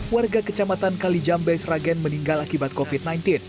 warga kecamatan kalijambe sragen meninggal akibat covid sembilan belas